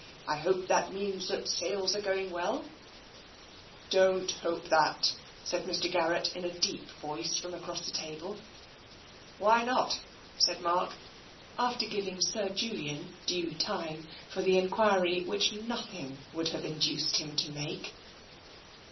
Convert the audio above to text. I hope that means that the sales are going well." *' Don't hope that," said Mr. Garrett in a deep voice across the table. " Why not ?" said Mark, after giving Sir Julian due time for the enquiry which nothing would have in duced him to make.